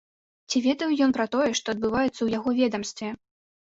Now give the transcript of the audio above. Ці ведаў ён пра тое, што адбываецца ў яго ведамстве?